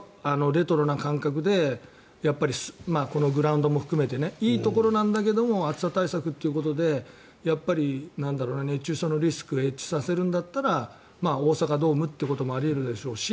レトロな感覚でこのグラウンドも含めていいところなんだけども暑さ対策ということでやっぱり熱中症のリスクをエッジさせるんだったら大阪ドームということもあり得るでしょうし